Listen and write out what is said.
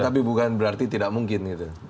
tapi bukan berarti tidak mungkin